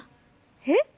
えっ？